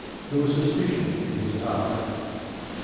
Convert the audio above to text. There was suspicion in his eye.